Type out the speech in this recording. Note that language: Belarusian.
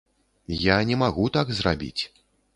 Я не магу так зрабіць.